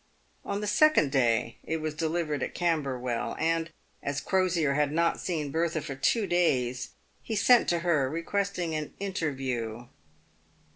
On the second day it was delivered at Camberwell, and, as Crosier had not seen Bertha for two days, he sent to her, request ing an interview.